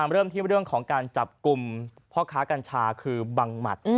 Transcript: เริ่มที่เรื่องของการจับกลุ่มพ่อค้ากัญชาคือบังหมัด